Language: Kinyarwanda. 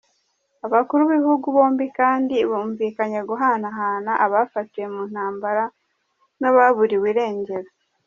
Abakuru b’ibihugu bombi kandi bumvikanye guhanahana abafatiwe mu ntambara n’ababuriwe irengero.